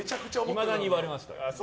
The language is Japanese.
いまだに言われますから。